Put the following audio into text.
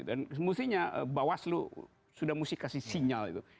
dan mestinya bawas lu sudah mesti kasih sinyal itu